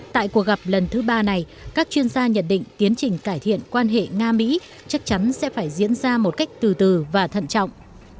tại cuộc gặp lần thứ ba này các chuyên gia nhận định tiến trình cải thiện quan hệ nga mỹ chắc chắn sẽ phải diễn ra một cách từ từ và thận trọng